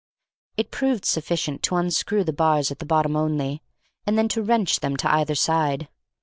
It proved sufficient to unscrew the bars at the bottom only, and then to wrench them to either side.